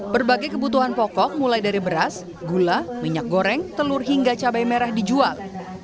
berbagai kebutuhan pokok mulai dari beras gula minyak goreng telur hingga cabai merah dijual